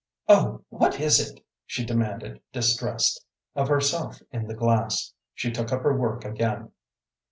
"Oh, what is it?" she demanded, distressed, of herself in the glass. She took up her work again.